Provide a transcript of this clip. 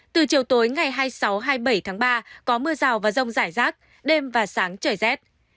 từ chiều tối ngày hai mươi sáu hai mươi bảy tháng ba có mưa rào và rông rải rác đêm và sáng trời rét